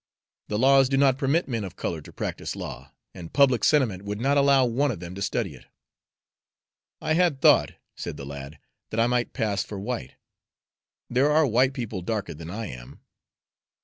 The laws do not permit men of color to practice law, and public sentiment would not allow one of them to study it." "I had thought," said the lad, "that I might pass for white. There are white people darker than I am."